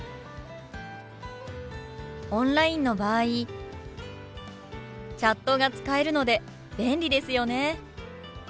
オンラインの場合チャットが使えるので便利ですよね。